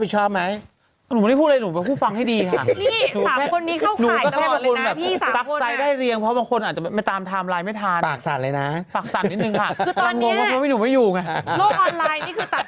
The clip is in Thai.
หนุ่มพูดเพราะเขาถ่ายคลิปไว้ด้วยหนุ่มพูด